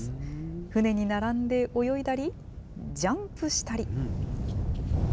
船に並んで泳いだり、ジャンプしたり。